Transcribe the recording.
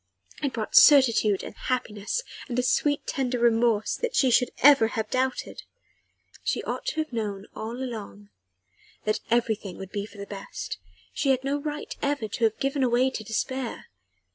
It brought certitude and happiness, and a sweet, tender remorse that she should ever have doubted. She ought to have known all along that everything would be for the best: she had no right ever to have given way to despair.